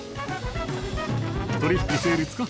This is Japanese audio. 取引成立か？